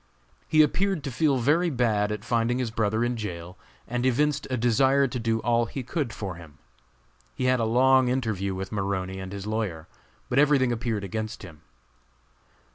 He appeared to feel very bad at finding his brother in jail, and evinced a desire to do all he could for him. He had a long interview with Maroney and his lawyer, but everything appeared against him.